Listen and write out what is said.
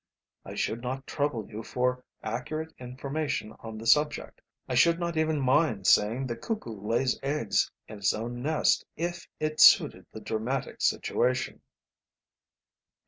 I should not trouble you for accurate information on the subject; I should not even mind saying the cuckoo lays eggs in its own nest if it suited the dramatic situation."